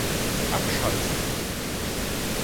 Abschalten!